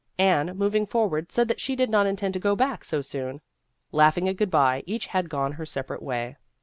Anne, moving forward, said that she did not intend to go back so soon. Laughing a good bye, each had gone her separate way.